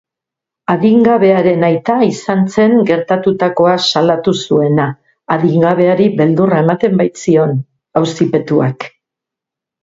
Adingabearen aita izan zen gertatutakoa salatu zuena, adingabeari beldurra ematen baitzion auzipetuak.